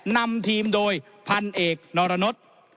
นำทีมโดยพันเอกนรนด